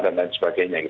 dan lain sebagainya